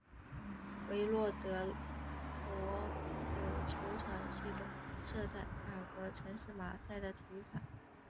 韦洛德罗姆球场是一座设在法国城市马赛的体育场。